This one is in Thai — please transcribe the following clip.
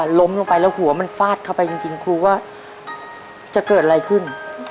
ล้มลงไปแล้วหัวมันฟาดเข้าไปจริงครูว่าจะเกิดอะไรขึ้น